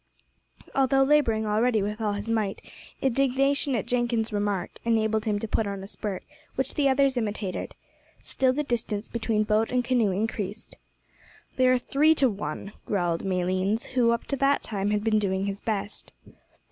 Although labouring already with all his might, indignation at Jenkins's remark enabled him to put on a spurt, which the others imitated. Still the distance between boat and canoe increased. "They are three to one," growled Malines, who, up to that time, had been doing his best.